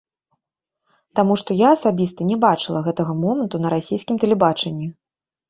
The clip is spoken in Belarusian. Таму што я асабіста не бачыла гэтага моманту на расійскім тэлебачанні.